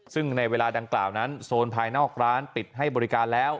ซึ่งในเวลาดังกล่าวนั้นโซนภายนอกร้านปิดให้บริการแล้ว